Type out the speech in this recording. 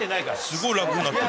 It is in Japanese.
すごい楽になって。